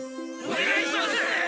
おねがいします！